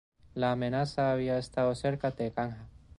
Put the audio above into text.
La amenaza había estado cerca de Ganja.